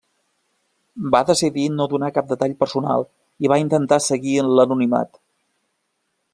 Va decidir no donar cap detall personal i va intentar seguir en l'anonimat.